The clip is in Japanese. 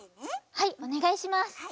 はいおねがいします。